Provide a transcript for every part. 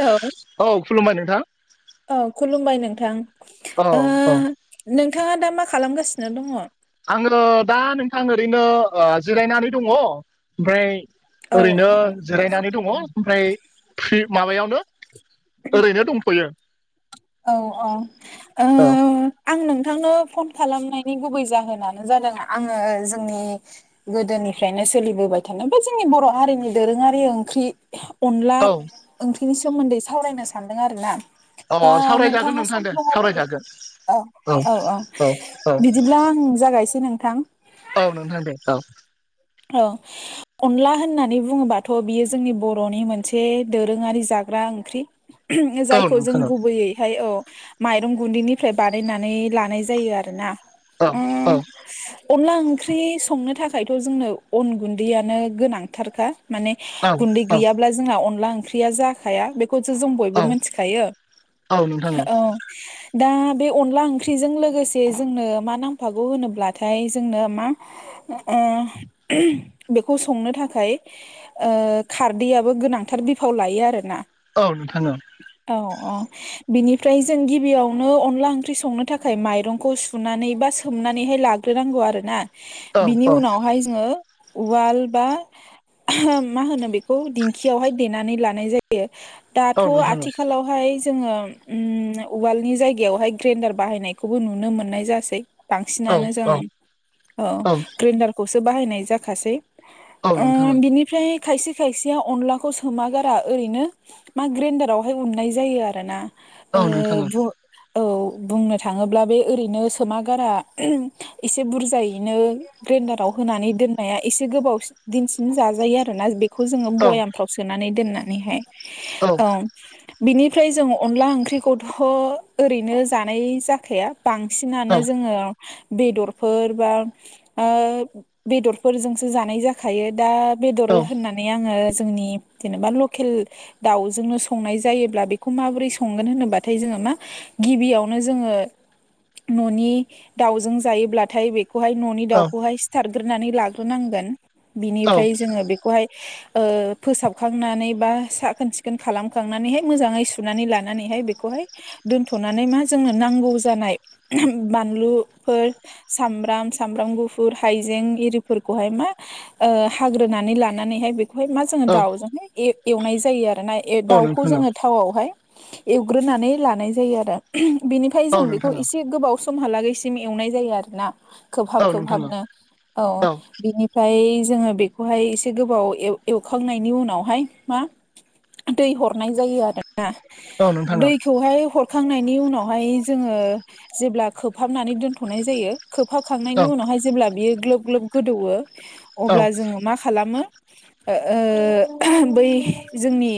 औ औ खुलुमबाय नोंथां औ खुलुमबाय नोंथां। अ ओ अ नोंथाङा दा मा खालामगासिनो दङ? आङो दा नोंथां ओरैनो जिरायनानै दङ। ओमफ्राय औ ओरैनो औ जिरायनानै दङ ओमफ्राय फ्रि माबायावनो ओरैनो दंथ'यो। औ औ औ आं नोंथांनो फन खालामनायनि गुबै जाहोनानो जादों आङो जोंनि गोदोनिफ्रायनो सोलिबोबाय थानो बा जोंनि बर' हारिनि दोरोङारि ओंख्रि। अनला औ ओंख्रिनि सोमोन्दै सावरायनो सान्दों आर ना? अ दा सावरायजागोन नोंथाङा नोंथां सम दे दं आरोखि। सावरायजागोन औ औ औ बिदिब्ला आं जागायसै नोंथां। औ नोंथां दे औ औ अनला होननानै बुङोबाथ' बियो जोंनि बर'नि मोनसे दोरोङारि जाग्रा ओंख्रि। औ जायखौ नोंथां जोङो दैयैहाय औ माइरं गुन्दैनिफ्राय बानायनानै लानाय जायो आरोना। औ [inaudible] अनला ओंख्रि संनो थाखायथ' जोंनो अन गुनदैयानो गोनांथारखा माने औ गुनदै गैयाब्ला जोंहा अनला ओंख्रिया जाखाया बेखौसो जों औ बयबो मिथिखायो औ दा बे अनला ओंख्रिजों लोगोसे जोंनो मा नांफागौ होनोब्लाथाय जोंनो मा ओ बेखौ संनो थाखाय ओ खारदैयाबबो गोनांथार बिफाव लायो आरोना औ नोंथां ओं औ औ बिनिफ्राय जों गिबियावनो अनला ओंख्रि संनो थाखाय माइरंखौ सुनानै बा सोमनानैहाय ला ग्रोनांगौ आरोना औ बिनि उनावहाय जोङो उवाल बा मा होनो बेखौ दिंखियावहाय देनानै लानाय जायो औ दाथ' नोंथां आथिखालाव बेहाय जोङो ओम उवालनि जायगायावहाय ग्रेन्डार बाहायनायखौबो नुनो मोननाय जासै औ बांसिनानो जों औ ग्रेन्डारखौसो बाहायनाय जाखासै औ नोंथां ओं बिनिफ्राय खायसे खायसेया अनलाखौ सोमागारा ओरैनो मा ग्रेन्न्दारावहाय उननाय जायो आरो ना औ नोंथां औ ओ औ बुंनो थाङोब्ला बे ओरैनो सोम गारा एसे बुरजायैनो ग्रेनडाराव होनानै दोननाया एसे गोबाव दिनसिम जाजायो आरोोना बे बेखौ जोङो औ बयामफ्राव सोनानै दोननानैहाय औ बिनिफ्राय जों अनला ओंख्रिखौथ' ओरैनो जानाय जाखाया बांसिनानो जोङो बेदरफोर बा ओ बेदरफोरजोंसो जानाय जाखायो दा बेदर होननानै आङो जोंनि जेनेबा लकेल दाउजोंनो संनाय जायो अब्ला बेखौ माबोरै संगोन होनोबाथाय जोङो मा गिबियावनो जोङो न'नि दाउजों जायोब्लाथाय बे बखौहाय न'नि दाउखौहाय सिथारग्रोनानै लाग्रोनांगोन औ बिनिफ्राय जोङो खौहाय ओ फोसाबखांनानै बा साखोन सिखोन खालामखांनानैहाय मोजाङै सुनानै लानानैहाय बेखौहाय दोनथ'नानै मा जोंनो नांगौ जानाय बानलुफोर सामब्राम सामब्राम गुफुर हाइजें आरिफोरखौहाय मा ओ हाग्रोनानै लानानैहाय बे बेहाय मा जोङो औ दाउजोंहाय एवनाय जायो आरोना औ दाउखौ नोंथां जोङो थावावहाय एवग्रोनानै लानाय जायो आरो बेनिफ्राय औ जों बेखौ नोंथां औ एसे गोबाव समहालागैसिम एवनाय जायो आरोना खोबहाब औ नोंथां औ खोबहाबनो औ बिनि ओमफ्राय जोङो बेखौहाय एसे गोबाव एल एवखांनायनि उनावहाय मा दै हरनाय जायो आरोना औ नोंथां औ दै खौहाय हरखांनायनि उनावहाय जोङो जेब्ला खोबहाबनानै दोनथ'नाय जायो खोबहाबखांनायनि औ उनावहाय जेब्ला बियो ग्लोब ग्लोब गोदौयो औ अब्ला जोङो मा खालामो ओ बै जोंनि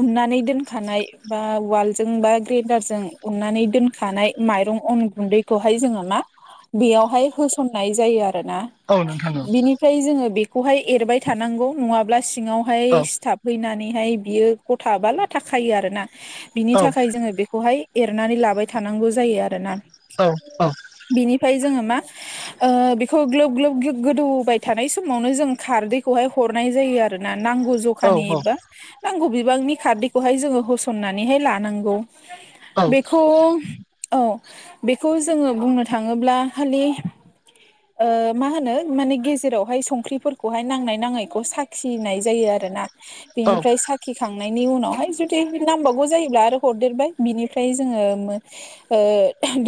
उननानै दोनखानाय बा उवालजों बा ग्रेन्दारजों अननानै दोनखानाय माइरं अन गुनदैखौहाय जोङो मा बेयावहाय होसननाय जायो आरोना औ नोंथां औ ओमफ्राय जोङो बेखौहाय एरबाय थानांगौ नङाब्ला सिङावहाय औ सिथाबहैनानैहाय बियो गथा बा लाथा खायो आरोना बिनि औ थाखाय जोङो बेखौहाय एरनानै लाबाय थानांगौ जायो आरोना औ औ बिनिफ्राय जोङो मा बेखौ ग्लोब ग्लोब गोदौबाय थानाय समावनो जों खारदैखौहाय हरनाय जायो आरोना नांगौ ज- औ खानि नोंथां एबा नांगौ बिबांनि खारदैखौहाय जोङो होसननानैहाय लानांगौ औ बेखौ औ बेखौ जोङो बुंनो थाङोब्ला खालि ओ मा होनो माने गेजेरावहाय संख्रिफोरखौहाय नांनाय नाङैखौ साखिनाय जायो आरो ना औ बिनिफ्राय साखिखांनायनि उनावहाय जुदि नांबावगौ जायोब्ला आरो हरदेरबाय बिनिफ्राय जोङो ओ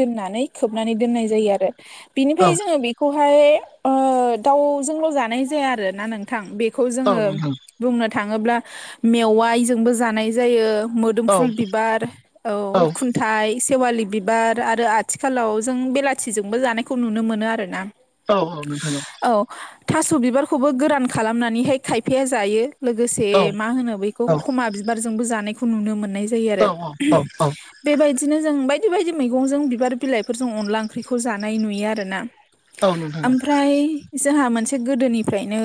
दोननानै खोबनानै दोननाय जायो आरो बिनिफ्राय जोङो बेखौहाय दाउजोंल' जानाय जाया आरो ना नों- थां बेखौ औ जोङो बुंनो थाङोब्ला मेवायजोंबो जानाय जायो गुदुम फुल बिबार औ खुन- थाइ सेवालि बिबार आरो आथिखालाव जों बेलाथिजोंबो जानायखौ नुनो मोनो आर ना। औ औ नोंथां नंगौ औ थास' बिबारखौबो गोरान खालामनानैहाय खायफाया जायो लोगोसे नोंथां औ मा होनो बेखौ खमा बिबारजोंबो जानायखौ नुनो मोननाय जायो आरो बेबायदिनो जों बायदि बायदि मैगंजों बिबार बिलाइफोरजों अनला ओंख्रिखौ जानाय नुयो आरोना। औ नोंथां नंगौ फ्राय जोंहा मोनसे गोदोनिफ्रायनो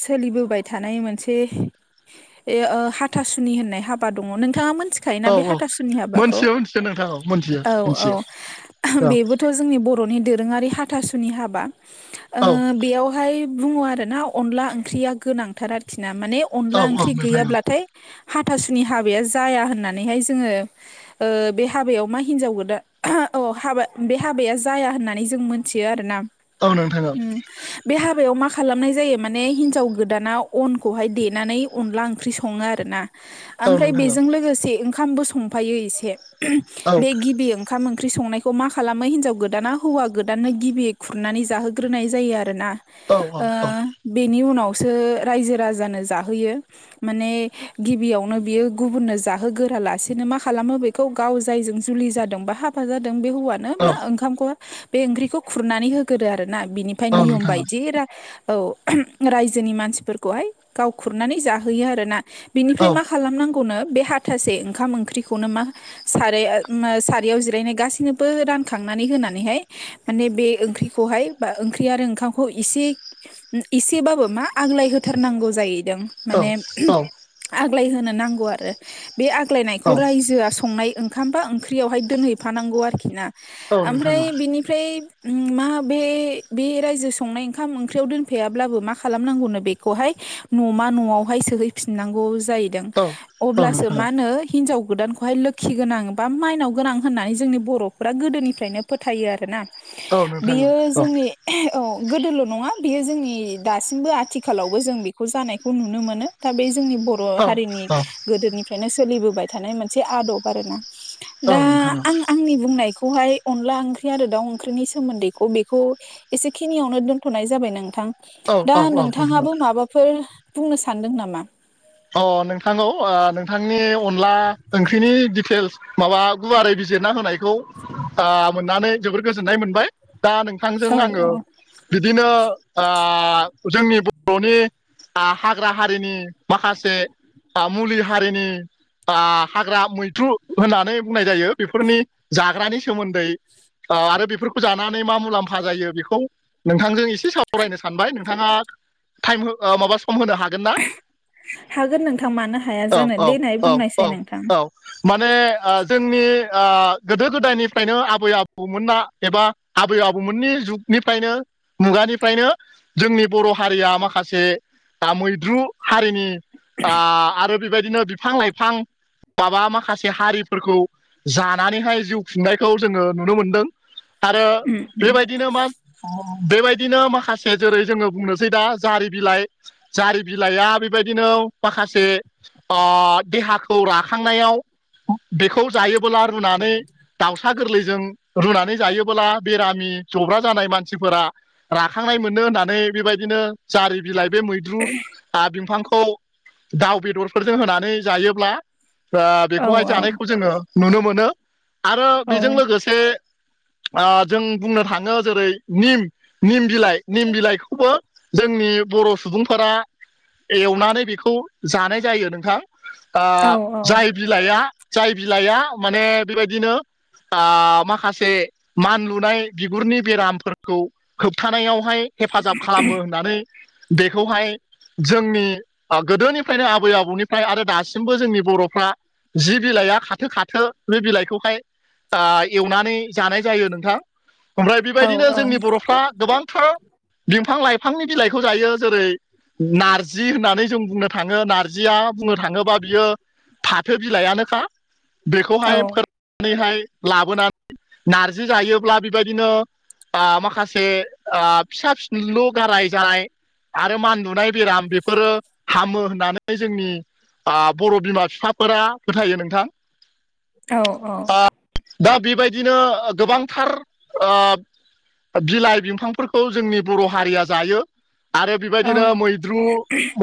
सोलिबोबाय थानाय मोनसे ए ओ हाथासुनि होननाय हाबा दङ' नोंथाङा मोनथि- खायोना बे हाथासुनि हाबाखौ मोनथियो मोनथियो नोंथां औ मोनथियो औ औ मोनथियो औ बेबो थ' जोंनि बर'नि दोरोङारि हाथासुनि हाबा औ बेयाव हाय बुङो आरोना अनला ओंख्रिया गोनांथार आरोखि ना माने औ अनला ओंख्रि नोंथां गैयाब्लाथाय हाथासुनि हाबाया जाया होननानैहाय जोङो बे हाबायाव मा हिन्जाव गोदान हाबा बे हाबाया जाया होननानै जों मोन थियो आरो ना औ नोंथां औ बे हाबायाव मा खालामनाय जायो माने हिन्जाव गोदाना अनखौहाय देनानै अनला ओंख्रि सङो आरो आरोना औ ओमफ्राय नोंथां औ बेजों लोगोसे ओंखामबो संफायो एसे औ बे गिबि ओंखाम ओंख्रि संनायखौ मा खालामो हिनजाव गोदाना हौवा गोदाननो गिबियै खुरनानै जाहोग्रोनाय जायो आरो ना औ ओ बेनि उनावसो रायजो राजानो जाहोयो माने गिबियावनो बियो गुबुननो जाहोगोरालासेनो मा खालामो बेखौ गाव जायजों जुलि जादों बा हा- बा जादों बे हौवानो मा ओंखामखौ बे ओंख्रिखौ खुरनानै होगोरो आरो ना बिनि फ्राय नियम नोंथां बायदि रा- औ रायजोनि मानसिफोरखौहाय गाव खुरनानै जाहोयो आरोना औ बिनिफ्राय मा खालामनांगौनो बे हाथासे ओंखाम ओंख्रिखौनो मा सारि सारियाव जिरायनाय गासैनोबो रानखांनानै होनानैहाय माने बे ओंख्रिखौहाय बा ओंख्रि आरो ओंखामखौ इसे एसेबाबो मा आग्लाय होथारनांगौ जाहैदों माने आग्लाय होनो नांगौ आरो बे औ आग्लायनायखौ नोंथां रायजोआ संनाय ओंखामबा ओंख्रियावहाय दोनहैफानांगौ आरोखि ना औ अमफ्राय बिनि फ्राय मा बे बे रायजो संनाय ओंखाम ओंख्रियाव दोनफायाब्लाबो मा खालामनांगौनो बे खौहाय न'मा न'आवहाय सोहैफिननांगौ जाहैदों औ अब्लासो नोंथां औ मा नो हिनजाव गोदानखौहाय लोखि गोनां बा माइनाव गोनां होननानै जोंनि बर'फोरा गोदोनिफ्रायनो फोथायो आरो ना औ नोंथां औ बेयो जोंनि औ गोदोल' नङा बियो जोंनि दासिमबो आथिखालावबो जों बेखौ जानायखौ नुनो मोनो दा बे जोंनि बर' औ हारिनि औ गोदोनिफ्रायनो सोलिबोबाय थानाय मोनसे आदब आरो ना। औ दा नोंथां आं आंनि बुंनायखौहाय अनला ओंख्रि आरो दाउ ओंख्रिनि सोमोन्दैखौ बेखौ एसेखिनियावनो दोनथ'नाय जाबाय नोंथां औ औ दा औ औ नोंथां नोंथाङाबो माबाफोर फोर बुंनो सानदों नामा? अ नोंथां औ नोंथांनि अनला ओंख्रिनि दिटेल्स माबा गुवारै बिजिरना होनायखौ मोननानै जोबोर गोजोननाय मोनबाय दा नोंथांजों औ आङो औ बिदिनो जोंनि बर'नि हाग्रा हारिनि माखासे मुलि हारिनि हाग्रा मैथ्रु होननानै बुंनाय जायो बेफोरनि जाग्रानि सोमोन्दै आरो बेफोरखौ जानानै मा मुलाम्फा जायो बेखौ नोंथांजों एसे सावरायनो सानबाय नोंथाङा टाइम माबा सम होनो हागोन ना हागोन नोंथां मानो हाया औ जानो औ दे नाय औ औ बुंनायसाय नोंथां औ माने जोंनि गोदो गोदायनिफ्रायनो आबै आबौमोना एबा आबै आबौमोननि जुगनिफ्रायनो मुगानिफ्रायनो जोंनि बर' हारिया माखासे मैद्रु हारिनि आरो बेबायदिनो बिफां लाइफां माबा माखासे हारिफोरखौ जानानैहाय जिउ खुंनायखौ जोङो नुनो मोनदों आरो उम उम बेबायदिनो मा बेबायदिनो माखासे जेरै जोङो बुंनोसै दा जारि बिलाइ जारि बिलाइआ बेबायदिनो माखासे देहाखौ राखांनायाव बेखौ जायोबोला रुनानै दाउसा गोरलैजों रुनानै जायोबोला बेरामि जब्रा जानाय मानसिफोरा राखांनाय मोनो होननानै बेबायदिनो जारि बिलाइ बे मैद्रु बि खौ दाउ बेदरफोरजों होनानै जायोब्ला औ बेखौहाय जानायखौ जोङो नुनो मोनो आरो औ बेजों लोगोसे जों बुंनो थाङो जेरै निम निम बिलाइ निम बिलाइखौबो जोंनि बर' सुबुंफोरा एवनानै बेखौ जानाय जायो नोंथां औ जाय बिलाइआ जाय बिलाइआ माने बेबायदिनो ओ माखासे मान लुनाय बिगुरनि बेरामफोरखौ होबथानायावहाय हेफाजाब खालामो होननानै बेखौहाय जोंनि गोदोनिफ्रायनो आबै आबौनिफ्राय आरो दासिमबो जोंनि बर'फ्रा जि बिलाइआ खाथो खाथो बे बिलाइखौहाय एवनानै जानाय जायो नोंथां ओमफ्राय औ बेबायदिनो जोंनि बर'फ्रा गोबां थार बिफां लाइफांनि बिलाइखौ जायो जेरै नारजि जि होननानै जों बुंनो थाङो नारजिया बुंनो थाङोब्ला बियो फाथो बिलाइानोखा बेखौहाय फोरोंनानैहाय लाबोनानै नार्जि जायोब्ला बेबायदिनो माखासे फिसा फिनलु गाराय जानाय आरो मानलुनाय बेराम बेफोरो हामो होननानै जोंनि बर' बिमा बिफाफोरा फोथायो नोंथां औ औ दा बेबायदिनो गोबांथार बिलाइ बिफांफोरखौ जोंनि बर' हारिया जायो आरो औ नंगौ औ बेबायदिनो मैद्रु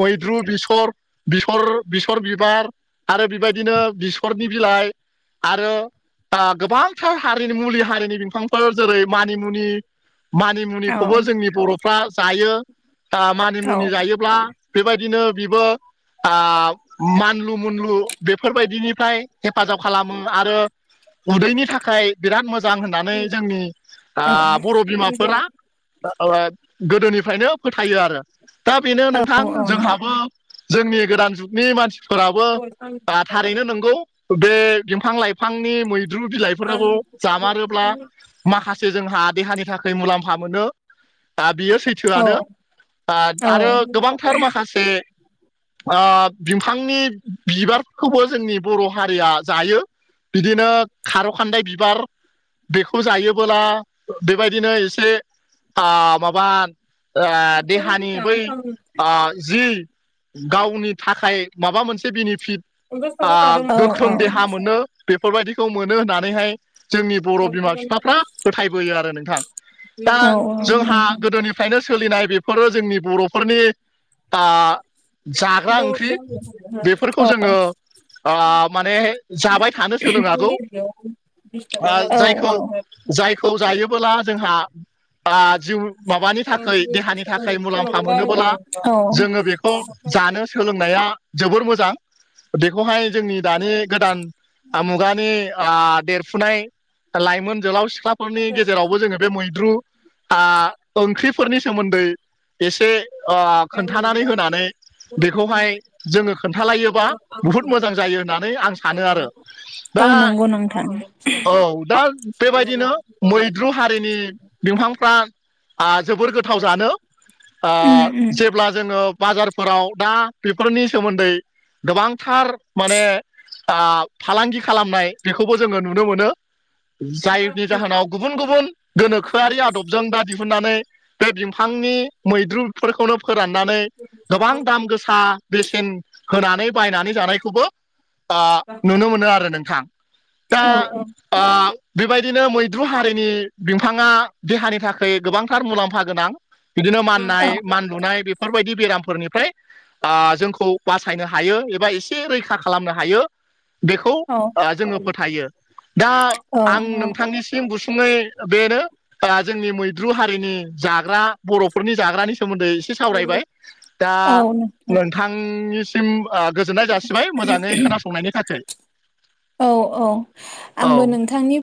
मैद्रु बिसर बिसर बिसर बिबार आरो बेबायदिनो बिसरनि बिलाइ आरो गोबांथार हारिनि मुलि हारिनि बिफांफोर जेरै मानिमुनि मानिमुनिखौबो जोंनि बर'फ्रा जायो मानिमुनि जायोब्ला बेबायदिनो बिबो मानलु मुनलु बेफोरबायदिनिफ्राय हेफाजाब खालामो आरो उदैनि थाखाय बिराद मोजां होननानै जोंनि बर' बिमाफोरा गोदोनिफ्रायनो फोथायो आरो दा बेनो नोंथां जोंहाबो जोंनि गोदान जुगनि मानसिफोराबो थारैनो नंगौ बे बिफां लाइफांनि मैद्रु बिलाइफोरखौ जामारोब्ला माखासे जोंहा देहानि थाखाय मुलाम्फा मोनो दा बियो सैथो थोआनो आरो गोबांथार माखासे बिफांनि बिबारखौबो जोंनि बर' हारिया जायो बिदिनो खार' खान्दाय बिबार बेखौ जायोबोला बेबायदिनो एसे माबा ओ देहानि बै आ जि गावनि थाखाय माबा मोनसे बेनिफिट गोख्रों देहा मोनो बेफोरबायदिखौ मोनो होननानैहाय जोंनि बर' बिमा बिफाफ्रा फोथायबोयो आरो नोंथां दा जोंहा गोदोनि बेखायनो सोलिनाय बेफोरो जोंनि बर'फोरनि बा जाग्रा ओंख्रि बेफोरखौ जोङो माने जाबाय थानो सोलों नांगौ जायखौ जायखौ जायोबोला जोंहा जिउ माबानि थाखाय देहानि थाखाय मुलाम्फा मोनोब्ला औ जोङो बेखौ जानो सोलोंनाया जोबोर मोजां बेखौहाय जोंनि दानि गोदान मुगानि देरफुनाय लाइमोन जोहोलाव सिख्ला फोरनि गेजेरावबो जोङो बे मैद्रु ओंख्रिफोरनि सोमोन्दै एसे खोन्थानानै होनानै बेखौहाय जोङो खोन्थालायोबा बुहुद मोजां जायो होननानै आं सानो आरो औ दा नंगौ नोंथां औ दा बेबायदिनो मैद्रु हारिनि बिफांफ्रा जोबोर गोथाव जानो उम उम जेब्ला जोङो बाजारफोराव दा बेफोरनि सोमोन्दै गोबांथार माने फालांगि खालामनाय बेखौबो जोङो नुनो मोनो जायनि जाहोनाव गुबुन गुबुन गोनोखोआरि आदबजों दा दिहुननानै बे बिफांनि मैद्रुफोरखौनो फोराननानै गोबां दाम गोसा सा बेसेन होनानै बायनानै जानायखौबो नुनो मोनो आरो नोंथां दा औ औ बेबायदिनो मैद्रु हारिनि बिफाङा देहानि थाखाय गोबांथार मुलाम्फा गोनां बिदिनो माननाय मान लुनाय बेफोरबायदि बेरामफोरनिफ्राय जोंखौ बासायनो हायो एबा एसे रैखा खालामनो हायो बेखौ औ जोङो फोथायो दा औ आं नोंथांनि सिम गुसुङै बेनो जोंनि मैद्रु हारिनि जाग्रा बर'फोरनि जाग्रानि सोमोन्दै एसे सावरायबाय दा औ नोंथां नोंथांनि सिम गोजोननाय जासिबाय मोजाङै खोनासंनायनि थाखाय औ औ औ आंबो नोंथांनि